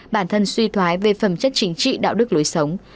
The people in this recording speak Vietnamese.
bản thân suy thoái về phẩm chất chính trị đạo đức lối sống